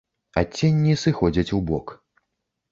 Адценні сыходзяць у бок.